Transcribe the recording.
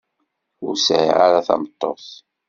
Ur sɛiɣ ara tameṭṭut.